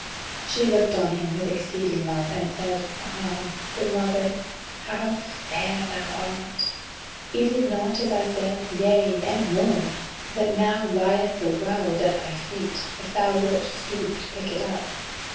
She looked on him with exceeding love, and said: "Ah, beloved, how fair thou art! Is it not as I said, yea, and more, that now lieth the world at thy feet, if thou wilt stoop to pick it up?